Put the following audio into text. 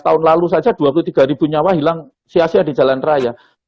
tahun lalu saja dua puluh tiga ribu nyawa hilang sia sia di jalan raya